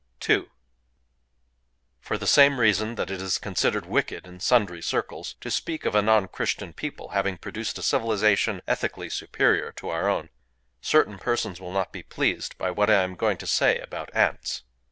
II For the same reason that it is considered wicked, in sundry circles, to speak of a non Christian people having produced a civilization ethically superior to our own, certain persons will not be pleased by what I am going to say about ants.